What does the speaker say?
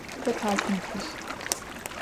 Te parkım tış!